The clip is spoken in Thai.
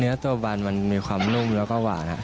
เนื้อตัวบันมันมีความนุ่มแล้วก็หวาน